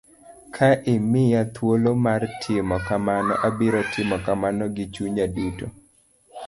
Ka imiya thuolo mar timo kamano, abiro timo kamano gi chunya duto.